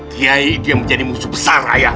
dia ini dia menjadi musuh besar ayah